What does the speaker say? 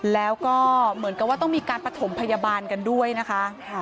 แล้วก็เหมือนกับว่าต้องมีการประถมพยาบาลกันด้วยนะคะ